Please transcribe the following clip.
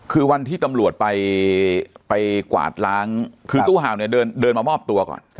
คือวันที่ตำรวจไปกวาดล้างคือตู้เห่าเนี่ยเดินมามอบตัวก่อน